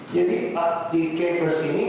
jadi di gepres ini